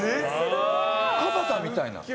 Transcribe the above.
カバだ！みたいな。